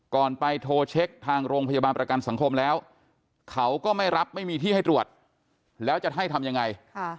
ไปโทรเช็คทางโรงพยาบาลประกันสังคมแล้วเขาก็ไม่รับไม่มีที่ให้ตรวจแล้วจะให้ทำยังไง